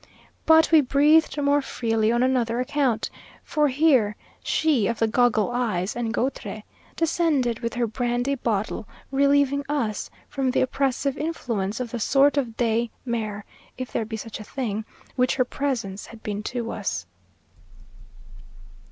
But we breathed more freely on another account, for here she of the goggle eyes and goitre, descended with her brandy bottle, relieving us from the oppressive influence of the sort of day mare, if there be such a thing, which her presence had been to us.